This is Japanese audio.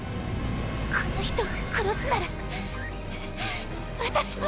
この人を殺すなら私も！